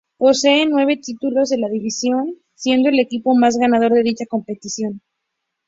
Posee nueve títulos de la División-A, siendo el equipo más ganador de dicha competición.